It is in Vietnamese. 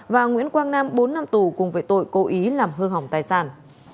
và nguyễn quang nam bốn năm tù cùng với tội cố ý làm hư hỏng tài sản